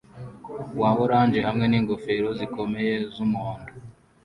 wa orange hamwe ningofero zikomeye z'umuhondo